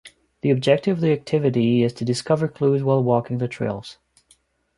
The objective of the activity is to discover clues while walking the trails.